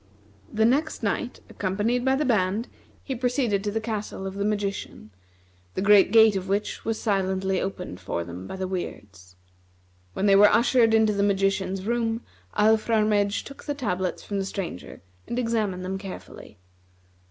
The next night, accompanied by the band, he proceeded to the castle of the magician, the great gate of which was silently opened for them by the Weirds. When they were ushered into the magician's room, Alfrarmedj took the tablets from the Stranger and examined them carefully.